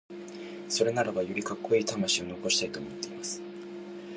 それならばよりカッコイイ魂を残したいなと思っています。